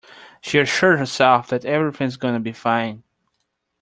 She assured herself that everything is gonna be fine.